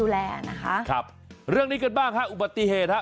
เหนื่องนี้กันบ้างฮะอุบัติเหตุฮะ